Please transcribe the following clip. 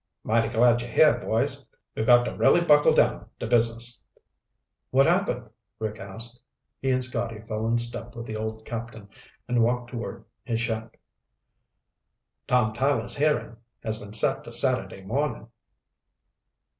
"Mighty glad you're here. Boys, we've got to really buckle down to business." "What happened?" Rick asked. He and Scotty fell in step with the old captain and walked toward his shack. "Tom Tyler's hearing has been set for Saturday morning."